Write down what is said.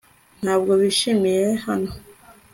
Ntabwo bishimiye hano